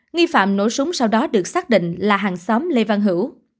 nghi phạm nổ súng sau đó được xác định là hàng xóm lê văn hữu